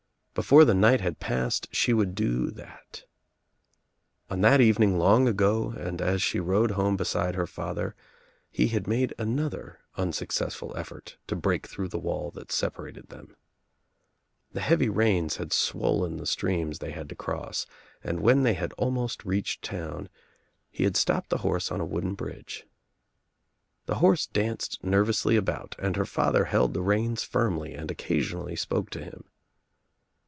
Before the night had passed she would do that. On that evening long ago and as she rode home beside her father he had made another unsuccessful effort to break through the wall that separated tliera. The heavy rains had swollen the streams they had to cross and when they had almost reached town he had stopped the horse on a wooden bridge. The horse danced nervously about and her father held the reins firmly and occasionally spoke to him.